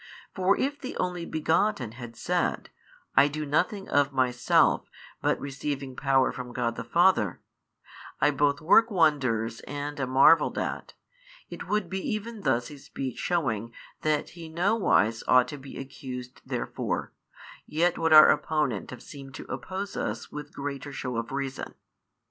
For if the Only Begotten had said, I do nothing of Myself but receiving power from God the Father, I both work wonders and am marvelled at, it would be even thus a speech shewing that He nowise ought to be accused therefore, yet would our opponent have seemed to oppose us with greater shew of reason.